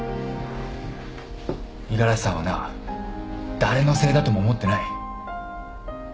五十嵐さんはな誰のせいだとも思ってない。